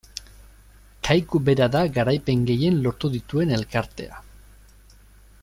Kaiku bera da garaipen gehien lortu dituen elkartea.